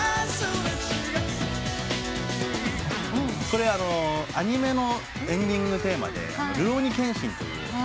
これアニメのエンディングテーマで『るろうに剣心』という。